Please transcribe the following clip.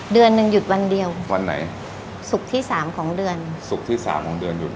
เดือนหนึ่งหยุดวันเดียววันไหนศุกร์ที่สามของเดือนศุกร์ที่สามของเดือนหยุด